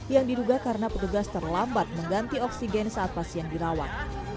yang diduga karena petugas terlambat mengganti oksigen saat pasien dirawat